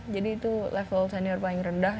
jadi itu level senior paling rendah